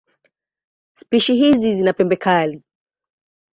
Spishi hizi zina pembe kali.